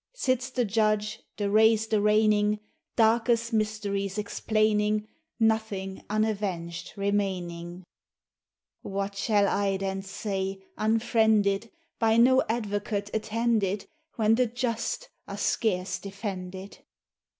Sits the Judge, the raised arraigning, Darkest mysteries explaining, Nothing unavenged remaining. What shall I then say, unfriended, By no advocate attended, When the just are scarce defended?